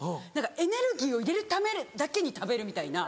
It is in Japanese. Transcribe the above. エネルギーを入れるためだけに食べるみたいな。